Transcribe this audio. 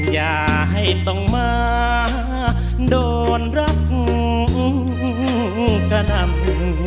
อย่าให้ต้องมาโดนรักกระนำ